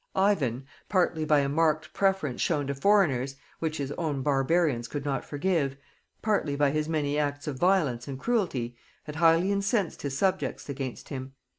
Ivan, partly by a marked preference shown to foreigners, which his own barbarians could not forgive, partly by his many acts of violence and cruelty, had highly incensed his subjects against him.